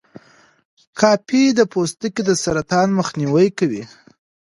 کافي د پوستکي د سرطان مخنیوی کوي.